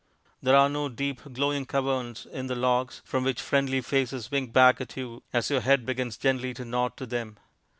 There are no deep, glowing caverns in the logs from which friendly faces wink back at you as your head begins gently to nod to them.